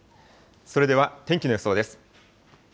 それでは天気の予想です。